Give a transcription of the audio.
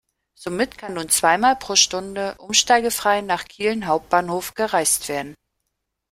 Somit kann nun zweimal pro Stunde umsteigefrei nach Kiel Hbf gereist werden.